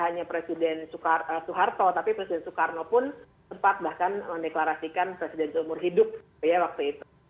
hanya presiden soeharto tapi presiden soekarno pun sempat bahkan mendeklarasikan presiden seumur hidup waktu itu